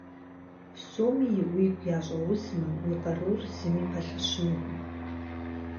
Псоми уигу ящӏэузмэ, уи къарур зыми пэлъэщынукъым.